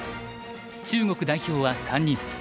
中国代表は３人。